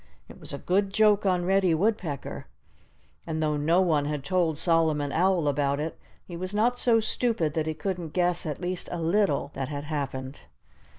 It was a good joke on Reddy Woodpecker. And though no one had told Solomon Owl about it, he was not so stupid that he couldn't guess at least a little that had happened.